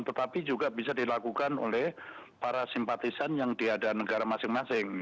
tetapi juga bisa dilakukan oleh para simpatisan yang diadakan negara masing masing